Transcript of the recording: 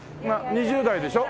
２０代でしょ？